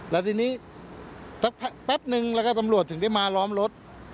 แล้วทีนี้สักแป๊บนึงแล้วก็ตำรวจถึงได้มาล้อมรถ